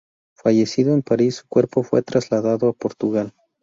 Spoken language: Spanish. Fallecido en París, su cuerpo fue trasladado a Portugal.